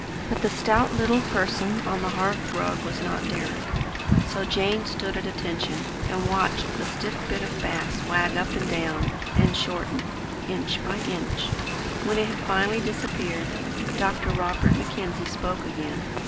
But the stout little person on the hearth rug was not Deryck. So Jane stood at attention, and watched the stiff bit of bass wag up and down, and shorten, inch by inch. When it had finally disappeared, Dr. Robert Mackenzie spoke again.